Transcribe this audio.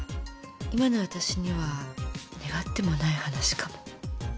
今の私には願ってもない話かも。